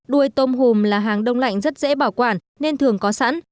đuôi tôm hùm là hàng đông lạnh rất dễ bảo quản nên thường có sẵn